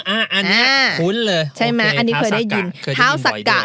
อันนี้คุ้นเลยท้าวสักกะเคยได้ยินบ่อยด้วยครับ